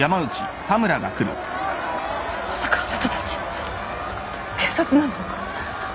まさかあなたたち警察なの？